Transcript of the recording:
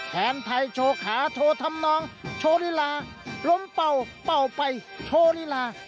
แทนไทยโชว์ขาโชว์ทำนองโชว์ลีลาล้มเป่าเป่าไปโชว์ลีลา